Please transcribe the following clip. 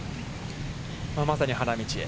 まさに花道へ。